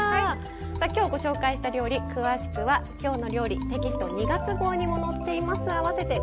さあ今日ご紹介した料理詳しくは「きょうの料理」テキスト２月号にも載っています。